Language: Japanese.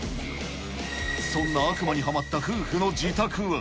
そんな悪魔にはまった夫婦の自宅は。